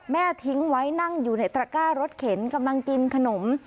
ทิ้งไว้นั่งอยู่ในตระก้ารถเข็นกำลังกินขนม